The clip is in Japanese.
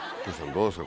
どうですか？